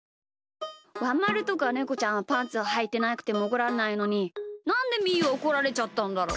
ワンまるとかネコちゃんはパンツをはいてなくてもおこられないのになんでみーはおこられちゃったんだろう？